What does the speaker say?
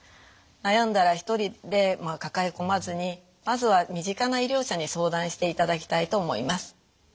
悩んだら１人で抱え込まずにまずは身近な医療者に相談していただきたいと思います。